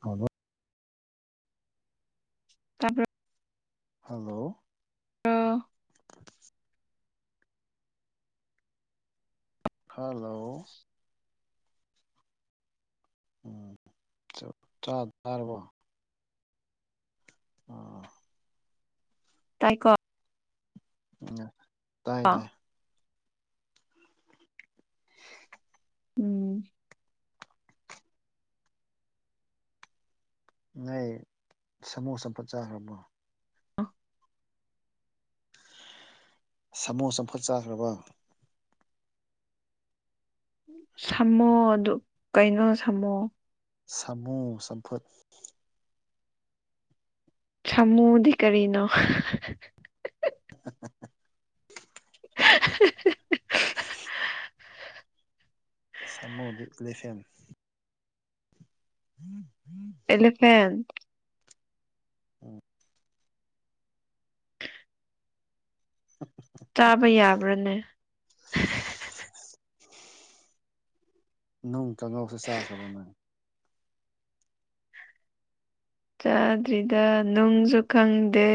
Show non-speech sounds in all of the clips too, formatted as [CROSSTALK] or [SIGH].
ꯍꯥꯎꯕ꯭ꯔꯣ ꯇꯥꯕ꯭ꯔ? ꯍꯜꯂꯣ꯫ ꯑꯣ ꯍꯜꯂꯣ ꯎꯝ ꯆꯞ-ꯆ-ꯆꯥꯔꯕꯣ? ꯑ ꯇꯥꯏꯀꯣ ꯎ ꯇꯥꯏꯌꯦ ꯇꯥꯏꯌꯦ ꯎꯝ ꯅꯣꯢ ꯁꯥꯃꯣꯁ ꯐꯠ ꯆꯥꯈ꯭ꯔꯕꯣ ꯁꯥꯃꯣꯁ ꯑꯃꯝꯐꯨꯠ ꯆꯥꯈ꯭ꯔꯕꯣ ꯁꯝꯃꯣ ꯑꯗꯨ ꯀꯩꯅꯣ ꯁꯝꯃꯣ ꯁꯥꯃꯨ ꯆꯝꯐꯨꯠ ꯁꯥꯃꯨꯗꯤ ꯀꯔꯤꯅꯣ [UNINTELLIGIBLE] [INAUDIBLE] [UNINTELLIGIBLE] [INAUDIBLE] ꯁꯅꯣꯗꯤꯛꯂꯤꯦꯐꯦꯝ ꯎꯝ [UNINTELLIGIBLE] [INAUDIBLE] ꯑꯦꯂꯤꯐꯦꯟ ꯎꯝ ꯑ ꯆꯥꯕ ꯌꯥꯕ꯭ꯔꯥꯅꯦ ꯅꯨꯡ ꯀꯥꯡꯉꯧꯁꯦ ꯆꯥꯈ꯭ꯔꯕ ꯅꯪ ꯀꯥꯗ꯭ꯔꯤꯗ ꯅꯨꯡꯁꯨ ꯈꯪꯗꯦ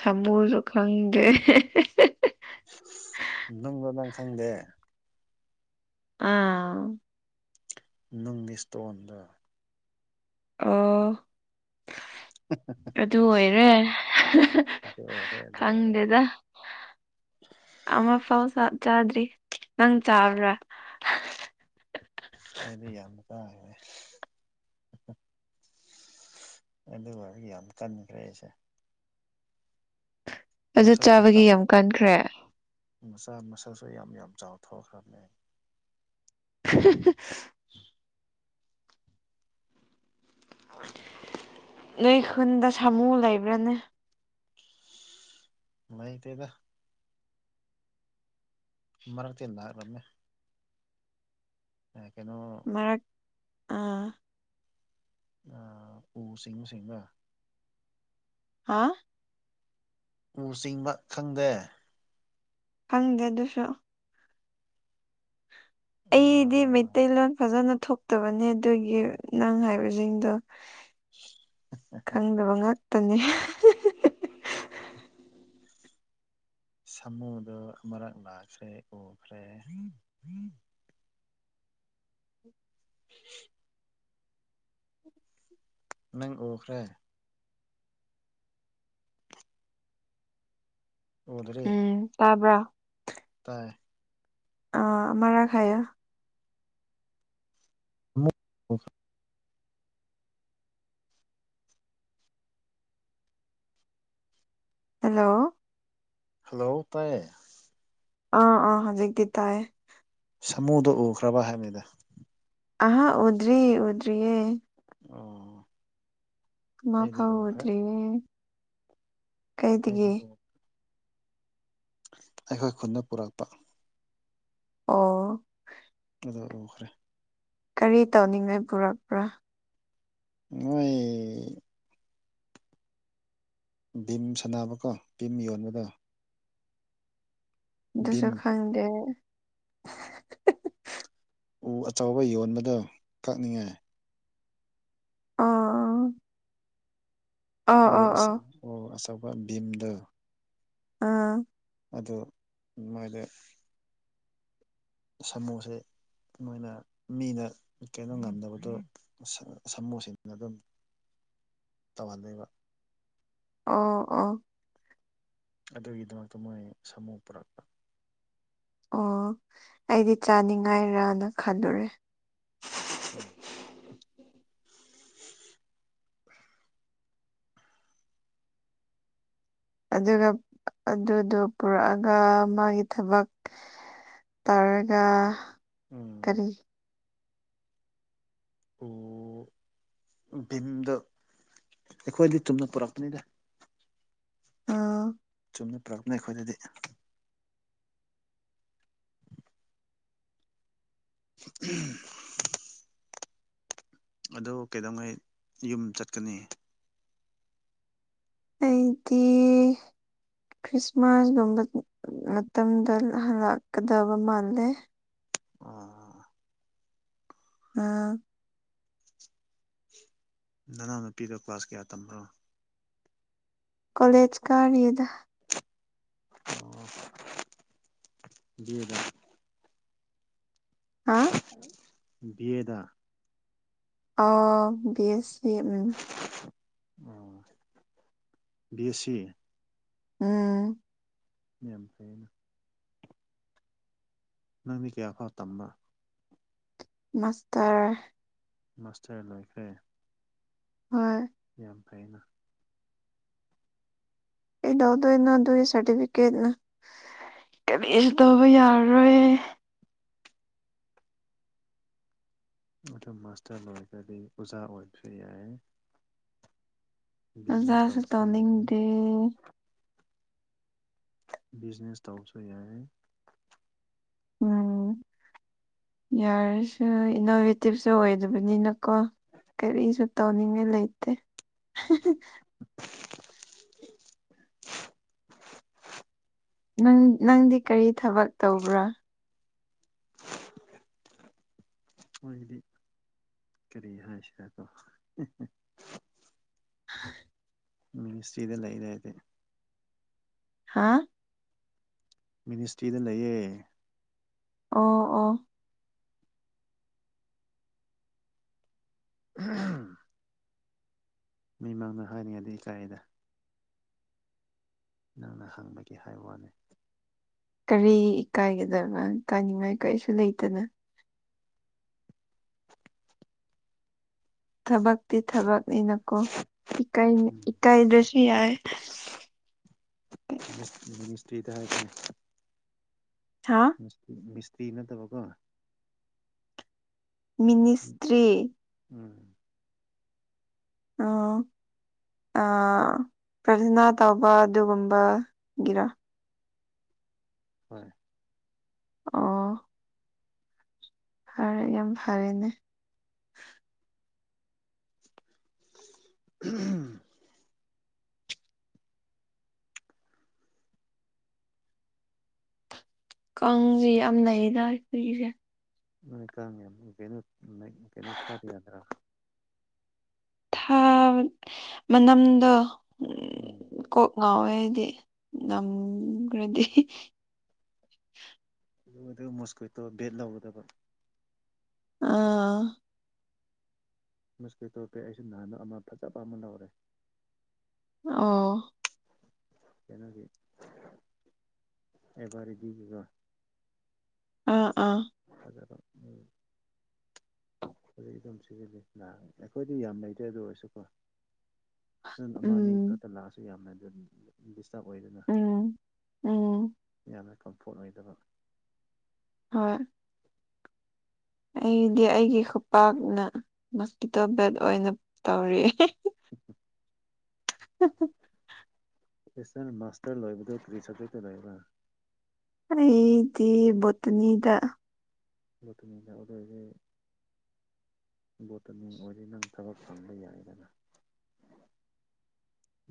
ꯁꯥꯃꯨꯁꯨ ꯈꯪꯗꯦ ꯅꯪꯂ ꯅꯪꯈꯪꯗꯦ ꯑꯥ ꯅꯨꯡꯒꯤ ꯏꯁꯇꯣꯟꯗ ꯑꯥ ꯑꯗꯨ ꯑꯣꯏꯔꯦ [UNINTELLIGIBLE] ꯑꯗꯨ ꯑꯣꯏꯔꯦ ꯑꯗꯨ ꯑꯣꯏꯔꯦ ꯈꯪꯗꯦꯗ ꯑꯃ ꯐꯥꯎ ꯆꯥ ꯆꯥꯗ꯭ꯔꯤ ꯅꯪ ꯆꯥꯕ꯭ꯔꯥ ꯑꯩꯗꯤ ꯌꯥꯝꯅ ꯆꯥꯈ꯭ꯔꯦ ꯑꯗꯨꯒꯗꯤ ꯌꯥꯝ ꯀꯟꯈ꯭ꯔꯦ ꯑꯩꯁꯦ ꯑꯗꯨ ꯃꯁꯜꯁꯨ ꯆꯥꯕꯒꯤ ꯆꯥꯎ ꯌꯥꯝ ꯀꯟꯈ꯭ꯔꯦ ꯃꯆꯥ ꯃꯁꯜꯁꯨ ꯌꯥꯝ ꯌꯥꯝ ꯆꯥꯎ ꯊꯣꯛꯈ꯭ꯔꯕꯅꯦ ꯑꯩ [UNINTELLIGIBLE] ꯅꯣꯏ ꯈꯨꯟꯗ ꯁꯥꯃꯨ ꯂꯩꯕ꯭ꯔꯅꯦ ꯂꯩꯇꯦꯗ ꯃꯔꯛꯇꯤ ꯂꯥꯛꯔꯝꯃꯦ ꯑꯦ ꯀꯩꯅꯣ ꯃꯔꯛ ꯑ ꯑ ꯎ ꯁꯤꯡ ꯁꯤꯡꯔ ꯍꯥꯥ ꯎ ꯆꯤꯡꯕ ꯈꯪꯗꯦ ꯈꯪꯗꯦ ꯑꯗꯨꯁꯨ ꯑꯩꯗꯤ ꯑꯥ ꯃꯩꯇꯩꯂꯣꯟ ꯐꯖꯅ ꯊꯣꯛꯇꯕꯅꯦ ꯑꯗꯨꯒꯤ ꯅꯪ ꯍꯥꯏꯕꯁꯤꯡꯗꯣ ꯈꯪꯗꯕ ꯉꯥꯛꯇꯅꯤ [UNINTELLIGIBLE] ꯁꯥꯃꯨꯗꯣ ꯑꯃꯔꯛ ꯂ ꯥꯛꯈ꯭ꯔꯦ ꯎꯈ꯭ꯔꯦ [UNINTELLIGIBLE] ꯅꯪ ꯎꯈ꯭ꯔꯦ ꯎꯗ꯭ꯔꯤ ꯎ ꯇꯥꯕ꯭ꯔꯥ ꯇꯥꯏꯌꯦ ꯑ ꯑꯃꯔꯥꯛ ꯍꯥꯏꯌꯣ [UNINTELLIGIBLE] ꯍꯜꯂꯣ ꯍꯜꯂꯣ ꯇꯥꯏꯌꯦ ꯑꯥ ꯑꯥ ꯍꯧꯖꯤꯛꯀꯤ ꯇꯥꯌꯦ ꯁꯥꯃꯨꯗꯣ ꯎꯈ꯭ꯔꯕ ꯍꯥꯏꯕꯅꯦꯗ ꯑꯍꯥ ꯎꯗ꯭ꯔꯤ ꯎꯗ꯭ꯔꯤꯌꯦ ꯑꯣ ꯃꯥ ꯑꯩꯗꯤ ꯐꯥꯎ ꯎꯈ꯭ꯔꯦ ꯎꯗ꯭ꯔꯤꯌꯦ ꯀꯩꯗꯒꯤ ꯑꯩꯗꯤ ꯎ ꯑꯩꯈꯣꯏ ꯈꯨꯟꯗ ꯄꯨꯔꯛꯄ ꯑꯣ ꯑ [UNINTELLIGIBLE] ꯎꯈ꯭ꯔꯦ ꯀꯔꯤ ꯇꯧꯅꯤꯡꯉꯥꯏ ꯄꯨꯔꯛꯄ꯭ꯔꯥ ꯃꯣꯏ ꯚꯤꯝ ꯁꯥꯟꯅꯕꯀꯣ ꯕꯤꯝ ꯌꯣꯟꯕꯗ ꯚꯤꯝ ꯑꯗꯨꯁꯨ ꯈꯪꯗꯦ ꯎ ꯑꯆꯧꯕ ꯌꯣꯟꯕꯗꯣ ꯀꯛꯅꯤꯡꯉꯥꯏ ꯑꯥ ꯑꯣ ꯑꯆ ꯑꯣ ꯑꯆꯧꯕ ꯚꯤꯝꯗꯣ ꯑꯥ ꯑꯗꯨ ꯃꯣꯏꯗꯤ ꯁꯥꯃꯨꯁꯦ ꯃꯣꯏꯅ ꯃꯤꯅ ꯀꯩꯅꯣ ꯉꯝꯗꯕꯗꯣ ꯁꯁꯃꯨꯁꯤꯡꯅ ꯑꯗꯨꯝ ꯇꯧꯍꯜꯂꯤꯕ ꯑꯣ ꯑꯣ ꯑꯗꯨꯒꯤꯗꯃꯛꯇ ꯃꯣꯏ ꯁꯥꯃꯨ ꯄꯨꯔꯛꯄ ꯑꯣ ꯑꯩꯗꯤ ꯆꯥꯅꯤꯡꯉꯥꯏꯔꯥꯅ ꯈꯜꯂꯨꯔꯦ ꯎꯝ ꯑꯗꯨꯒ ꯑꯗꯨꯗꯣ ꯄꯨꯔꯛꯑꯒ ꯃꯥꯒꯤ ꯊꯕꯛ ꯇꯔꯒ ꯎꯝ ꯀꯔꯤ? ꯑꯣ ꯚꯤꯝꯗ ꯑꯩꯈꯣꯏꯗꯤ ꯇꯨꯝꯅ ꯄꯨꯔꯛꯄꯅꯤꯗ ꯑꯥ ꯆꯨꯝꯅ ꯄꯔꯛꯅ ꯑꯩꯈꯣꯏꯗꯗꯤ ꯎꯝ ꯑꯗꯣ ꯀꯩꯗꯧꯉꯩ ꯌꯨꯝ ꯆꯠꯀꯅꯤ ꯑꯩꯗꯤ ꯈ꯭ꯔꯤꯁꯃꯥꯁꯒꯨꯝꯕ ꯃꯇꯝꯗ ꯍꯜꯂꯛꯀꯗꯕ ꯃꯥꯜꯂꯦ ꯑꯣ ꯑꯥ ꯅꯅꯥꯎꯅꯨꯄꯤꯗꯣ ꯀ꯭ꯂꯥꯁ ꯀꯌꯥ ꯇꯝꯕꯅꯣ ꯀꯣꯂꯦꯖ ꯀꯥꯔꯤ ꯌꯦꯗ ꯑꯣ ꯗ ꯍꯥ ꯦꯗꯥ ꯑ ꯦꯁ ꯎꯝ ꯑꯣ ꯕꯤ ꯑꯦꯁ ꯁꯤ ꯎꯝ ꯃꯦꯝꯁꯩꯅ ꯅꯪꯗꯤ ꯀꯌꯥꯐꯥꯎ ꯇꯝꯕ꯭ꯔꯥ ꯃꯥꯁꯇꯔ ꯃꯥꯁꯇꯔ ꯂꯣꯏꯈ꯭ꯔꯦ ꯍꯣꯏ ꯌꯥꯝ ꯐꯥꯏꯩꯅ ꯑꯦꯗꯗꯣ ꯏ ꯑꯗꯨꯏ ꯁꯔꯇꯤꯐꯤꯦꯠ ꯅ ꯀꯔꯤꯁꯨ ꯇꯧꯕ ꯌꯥꯔꯔꯣꯏ ꯑꯗꯨ ꯃꯥꯁꯇꯔ ꯂꯣꯏꯔꯒꯗꯤ ꯑꯣꯖꯥ ꯑꯣꯏꯕꯁꯨ ꯌꯥꯏ ꯕꯤꯖꯤꯅꯦꯁ ꯑꯣꯖꯥꯁꯨ ꯇꯧꯕꯁꯨ ꯌꯥꯏ ꯇꯧꯅꯤꯡꯗꯦ ꯕꯤꯖꯤꯅꯦꯁ ꯇꯧꯕꯁꯨ ꯌꯥꯏ ꯎꯝ ꯌꯥꯔꯁ ꯏꯅꯣ ꯑꯦꯛꯇꯤꯞꯁꯨ ꯑꯣꯏꯗꯕꯅꯤꯅꯀꯣ ꯀꯔꯤꯁꯨ ꯇꯧꯅꯤꯡꯉꯥꯏ ꯂꯩꯇꯦ ꯪ ꯅꯪꯗꯤ ꯀꯔꯤ ꯊꯕꯛ ꯇꯧꯕ꯭ꯔꯥ [UNINTELLIGIBLE] ꯃꯣꯏꯗꯤ ꯀꯔꯤ ꯍꯥꯏꯁꯦꯗꯣ ꯍ ꯃꯤꯅꯤꯁꯇ꯭ꯔꯤꯗ ꯂꯩꯔꯦ ꯍꯥꯏꯗꯤ ꯍꯥꯥ ꯃꯤꯅꯤꯁꯇ꯭ꯔꯤꯗ ꯂꯩꯌꯦ ꯑꯣ ꯑꯣ [UNINTELLIGIBLE] [INAUDIBLE] ꯃꯤꯃꯥꯡꯗ ꯍꯥꯏꯔꯤꯉꯩꯗꯤ ꯏꯀꯥꯏꯒꯤꯗ ꯅꯪꯅ ꯍꯪꯕꯒꯤ ꯍꯥꯏꯕ ꯋꯥꯅꯤ ꯀꯔꯤ ꯏꯀꯥꯏꯒꯗꯕ ꯀꯥꯅꯤꯡꯉꯥꯏ ꯀꯔꯤꯁꯨ ꯂꯩꯇꯅ ꯊꯕꯛꯇꯤ ꯊꯕꯛꯅꯤꯅꯀꯣ ꯏꯀꯥꯢ ꯎꯝ ꯏꯀꯥꯏꯗ꯭ꯔꯁꯨ ꯌꯥꯏ ꯃꯤꯁ ꯃꯤꯁꯇ꯭ꯔꯤꯗ ꯍꯥꯢꯔꯛꯀꯅꯤ ꯊ ꯃꯤꯁꯇꯤ ꯅꯠꯇꯕꯀꯣ ꯃꯤꯅꯤꯁꯇ꯭ꯔꯤ ꯎꯝ ꯑꯣ ꯑ ꯄ꯭ꯔꯊꯅꯥ ꯇꯧꯕ ꯑꯗꯨꯒꯨꯝꯕꯒꯤꯔ? ꯍꯣꯏ ꯑꯣ ꯐꯔꯦ ꯌꯥꯝ ꯐꯔꯦꯅꯦ ꯎꯝ ꯀꯥꯡꯁꯦ ꯌꯥꯝ ꯅꯩꯗ ꯑꯩꯈꯣꯏꯒꯤꯁꯦ ꯅꯣꯏ ꯀꯥꯡ ꯌꯥꯝ ꯀꯩꯅꯣ ꯅꯥꯏꯠ ꯀꯩꯅꯣ ꯊꯥꯕ ꯌꯥꯗ꯭ꯔꯥ ꯊꯥꯕꯅꯤ ꯃꯅꯝꯗꯣ ꯎꯝ ꯀꯣꯛ ꯉꯥꯎꯋꯦ ꯑꯩꯗꯤ ꯅꯝꯈ꯭ꯔꯗꯤ ꯑꯗꯨ ꯑꯗꯨ ꯃꯣꯁꯀ꯭ꯋꯤꯇꯣ ꯕꯦꯟ ꯇꯧꯒꯗꯕ ꯑꯥ ꯃꯣꯁꯀ꯭ꯋꯤꯇꯣ ꯕꯦꯠ ꯑꯩꯁꯨ ꯅꯍꯟ ꯑꯃ ꯐꯖꯕ ꯑꯃ ꯂꯧꯔꯦ ꯑꯣ ꯀꯅꯥꯒꯤ unintelligible ꯑꯥ ꯑꯥ ꯍꯖꯔꯣ ꯎꯝ ꯍꯧꯖꯤꯛ ꯑꯗꯨꯝ ꯁꯤꯖꯤꯜꯂꯤ ꯂꯥꯛ ꯑꯩꯈꯣꯏꯗꯤ ꯌꯥꯝ ꯂꯩꯇ꯭ꯔꯦ ꯑꯗꯨ ꯑꯣꯏꯔꯁꯨꯀꯣ ꯑꯃ ꯑꯅꯤ ꯎꯝ ꯈꯛꯇ ꯂꯥꯛꯑꯁꯨ ꯌꯥꯝꯅ ꯑꯗꯨ ꯑꯗꯨꯝ ꯗꯤꯁꯇꯔꯕ ꯑꯣꯏꯗꯅ ꯎꯝ ꯎꯝ ꯌꯥꯝꯅ ꯀꯝꯐꯣꯔꯠ ꯑꯣꯏꯗꯕ꯫ ꯍꯣꯏ ꯑꯩꯗꯤ ꯑꯩꯒꯤ ꯈꯨꯄꯥꯛꯅ ꯃꯣꯁꯀꯤꯇꯣ ꯕꯦꯠ ꯑꯣꯏꯅ ꯇꯧꯔꯤ ꯎꯝ ꯍꯥꯍꯥꯍꯥ ꯁꯤꯁꯇꯔ ꯃꯥꯁꯇꯔ ꯂꯣꯏꯕꯗꯤ ꯀꯔꯤ ꯁꯞꯖꯦꯛꯇ ꯂꯣꯏꯕꯔ ꯑꯩꯗꯤ ꯕꯣꯇꯅꯤꯗ ꯂꯠꯅꯤ ꯌꯥꯗ ꯕꯣꯇꯅꯤ ꯑꯣꯏꯔꯗꯤ ꯅꯪ ꯊꯕꯛ ꯐꯪꯕ ꯌꯥꯏꯗꯅ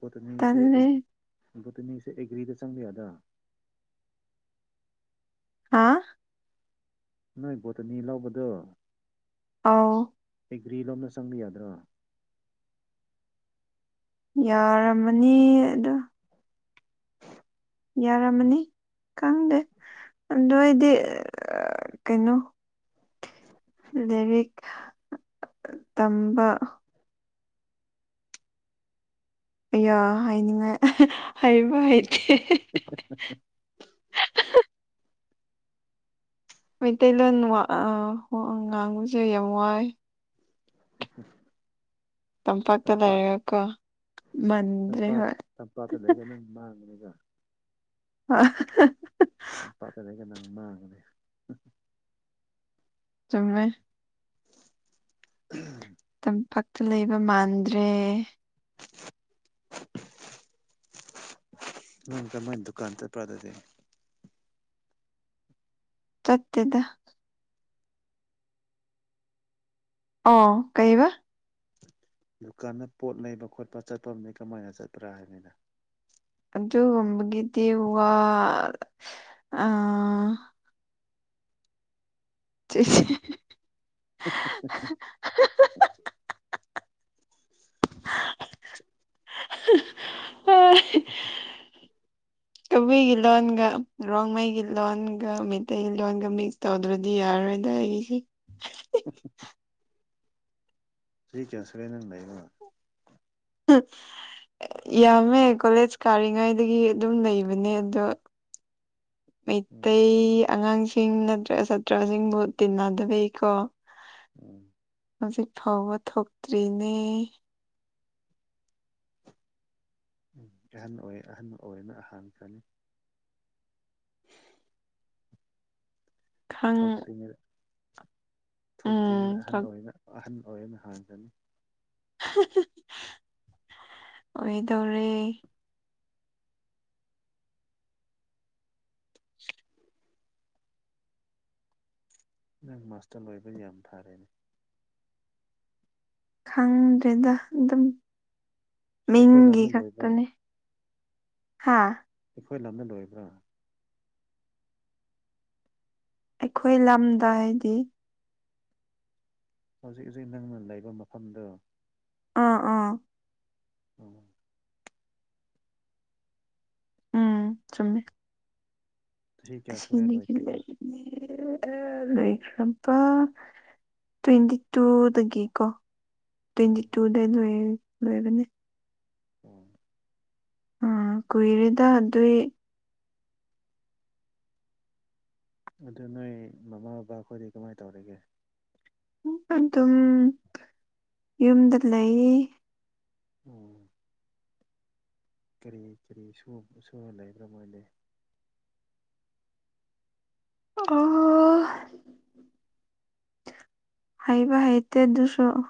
ꯕꯣꯇꯅꯤꯁꯦ ꯇꯜꯂꯦ ꯕꯣꯇꯅꯤꯁꯦ ꯑꯦꯒ꯭ꯔꯤꯗ ꯆꯪꯕ ꯌꯥꯗꯔꯥ ꯍꯥꯥ ꯅꯣꯏ ꯕꯣꯇꯅꯤ ꯂꯧꯕꯗꯣ ꯑꯧ ꯑꯦꯒ꯭ꯔꯤ ꯂꯣꯝꯗ ꯆꯪꯕ ꯌꯥꯗ꯭ꯔꯣ ꯌꯥꯔꯝꯃꯅꯤ ꯑꯗꯨ ꯌꯥꯔꯝꯃꯅꯤ ꯈꯪꯗꯦ ꯑꯗꯨ ꯑꯩꯗꯤ ꯀꯩꯅꯣ ꯂꯥꯏꯔꯤꯛ ꯇꯝꯕ ꯍꯥꯏꯅꯤꯡꯉꯥꯏ ꯍꯥꯏꯕ ꯍꯩꯇꯦ ꯃꯩꯇꯩꯂꯣꯟ ꯋꯥ ꯉꯥꯡꯕꯁꯨ ꯌꯥꯝ ꯋꯥꯏ ꯍꯨꯝ ꯍꯨꯝ [UNINTELLIGIBLE] ꯇꯝꯄꯥꯛꯇ ꯆꯄꯥ ꯂꯩꯔꯒꯀꯣ ꯃꯟꯗ꯭ꯔꯦ ꯆꯄꯥ ꯍꯣꯏ ꯆꯄꯥꯇ ꯂꯩ ꯀꯅ ꯃꯥꯡꯒꯅꯤꯗ ꯑ [UNINTELLIGIBLE] ꯄꯥꯠꯀ ꯂꯩꯒꯅꯥ ꯃꯥꯡꯒꯅꯤ ꯆꯨꯝꯃꯦ ꯑꯍꯝ ꯄꯥꯠꯇ ꯂꯩꯕ ꯃꯥꯟꯗ꯭ꯔꯦ [INAUDIBLE] ꯅꯪ ꯀꯃꯥꯏ ꯗꯨꯀꯥꯟ ꯆꯠꯄ꯭ꯔꯥ ꯑꯗꯨꯗꯤ ꯆꯠꯇꯦꯗꯥ ꯑꯣ ꯀꯩꯕ ꯗꯨꯀꯥꯟꯗ ꯄꯣꯠ ꯂꯩꯕ ꯈꯣꯠꯄ ꯆꯠꯄ ꯃꯤꯛ ꯀꯃꯥꯏꯅ ꯆꯠꯄ꯭ꯔꯥ ꯍꯥꯏꯕꯅꯤꯗ ꯑꯗꯨꯒꯨꯝꯕꯒꯤꯗꯤ ꯋꯥ ꯑꯥ ꯆꯠꯁꯤ [UNINTELLIGIBLE] [UNINTELLIGIBLE] [UNINTELLIGIBLE] [INAUDIBLE] ꯀꯕꯨꯏꯒꯤ ꯂꯣꯟꯒ ꯔꯣꯡꯃꯩꯒꯤ ꯂꯣꯟꯒ ꯃꯩꯇꯩꯒꯤ ꯂꯣꯟꯒ ꯃꯤꯛꯁ ꯇꯧꯗ꯭ꯔꯗꯤ ꯌꯥꯔꯔꯣꯏꯗ ꯑꯩꯒꯤꯁꯦ [UNINTELLIGIBLE] ꯆꯍꯤ ꯀꯌꯥ ꯁꯨꯔꯦ ꯅꯪ ꯂꯩꯕ ꯌꯥꯝꯃꯦ ꯀꯣꯂꯦꯖ ꯀꯥꯔꯤꯉꯩꯗꯒꯤ ꯑꯗꯨꯝ ꯂꯩꯕꯅꯦ ꯑꯗꯣ ꯎꯝ ꯃꯩꯇꯩ ꯑꯉꯥꯡꯁꯤꯡ ꯍꯤꯡ ꯅꯠꯇ꯭ꯔ ꯁꯥꯇ꯭ꯔꯁꯤꯡꯕꯨ ꯇꯤꯟꯅꯗꯕꯩ ꯀꯣ ꯎꯝ ꯍꯧꯖꯤꯛꯐꯥꯎꯕ ꯊꯣꯛꯇ꯭ꯔꯤꯅꯦ ꯎꯝ ꯑꯍꯟ ꯑꯣꯏ ꯑꯍꯟ ꯑꯣꯏꯕꯅ ꯍꯥꯟꯈ꯭ꯔꯅꯤ [INAUDIBLE] ꯈꯪ ꯊꯣꯛꯇ꯭ꯔꯤꯉꯩꯗ ꯊꯣꯛꯇ꯭ꯔꯤꯉꯩꯗ ꯎꯝ ꯑꯍꯟ ꯑꯣꯏꯕꯅ ꯑꯍꯟ ꯑꯣꯏꯕꯅ ꯍꯥꯟꯈ꯭ꯔꯅꯤ ꯑꯣꯏꯗꯧꯔꯦ [UNINTELLIGIBLE] ꯅꯪ ꯃꯥꯁꯇ꯭ꯔ ꯂꯣꯏꯕ ꯌꯥꯝ ꯐꯔꯦꯅꯦ ꯈꯪꯗ꯭ꯔꯦꯗ ꯑꯗꯨꯝ ꯁꯤ ꯑꯩꯈꯣꯏ ꯃꯤꯡꯒꯤ ꯂꯝꯗ ꯂꯣꯏꯕ꯭ꯔꯥ ꯈꯛꯇꯅꯦ ꯍꯥꯥ ꯑꯩꯈꯣꯏ ꯂꯝꯅ ꯂꯣꯏꯕ꯭ꯔꯥ ꯑꯩꯈꯣꯏ ꯂꯝꯗ ꯍꯥꯏꯗꯤ ꯍꯧꯖꯤꯛ ꯍꯧꯖꯤꯛ ꯅꯪꯅ ꯂꯩꯕ ꯃꯐꯝꯗꯣ ꯑ ꯑꯥ ꯑꯣ ꯎꯝ ꯆꯨꯝꯃꯦ ꯆꯍꯤ ꯀꯌꯥ ꯁꯨꯔꯦ ꯑꯁꯤꯅꯤꯒꯤ ꯂꯣꯏꯈꯤꯕ ꯂꯩꯕꯅꯦ ꯂꯩꯈ꯭ꯔꯕꯥ ꯇ꯭ꯋꯦꯟꯇꯤ ꯇꯨꯗꯒꯤ ꯀꯣ ꯇ꯭ꯋꯦꯟꯇꯤ ꯑꯣ ꯇꯨꯗ ꯂꯣꯏ ꯂꯣꯏꯕꯅꯦ ꯑꯣ ꯑ ꯀꯨꯏꯔꯦꯗ ꯑꯗꯨꯏ ꯑꯗꯨ ꯅꯣꯏ ꯃꯃꯥ ꯕꯕꯥꯈꯣꯏꯗꯤ ꯀꯃꯥꯏ ꯇꯧꯔꯤꯒꯦ ꯑꯗꯨꯝ ꯌꯨꯝꯗ ꯂꯩ ꯑꯣ ꯀꯔꯤ ꯀꯔꯤ ꯁꯨꯕ ꯁꯨꯔ ꯂꯩꯕ꯭ꯔꯥ ꯃꯣꯏꯗꯤ ꯑꯣ ꯍꯩꯕ ꯍꯩꯇꯦ ꯗꯨꯁꯨ